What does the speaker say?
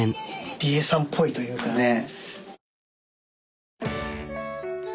リエさんっぽいというかね。ねぇ。